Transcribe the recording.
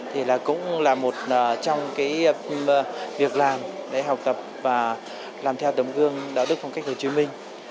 thì cũng là một trong việc làm để học tập và làm theo tấm gương đạo đức phong cách hồ chí minh